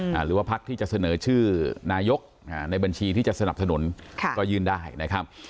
หรือว่าพักที่จะเสนอชื่อนายกในบัญชีที่จะสนับสนุนก็ยื่นได้นะครับ